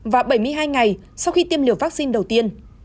và bảy mươi hai ngày sau khi tiêm liều vaccine đầu tiên